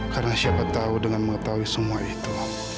karena siapa tau dengan mengetahui semua itu